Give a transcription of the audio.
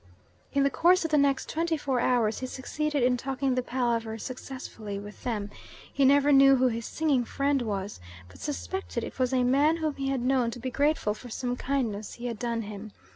In the course of the next twenty four hours he succeeded in talking the palaver successfully with them. He never knew who his singing friend was, but suspected it was a man whom he had known to be grateful for some kindness he had done him.